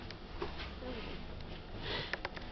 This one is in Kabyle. Ssawlent.